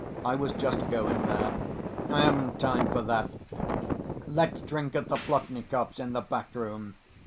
I was just going there." "I haven't time for that. Let's drink at the Plotnikovs', in the back room.